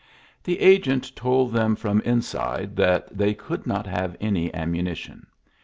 The agent told them from inside that they could not have any ammunition.